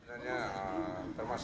sebenarnya permasalahan internal itu